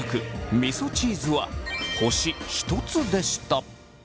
みそチーズは星１つでした。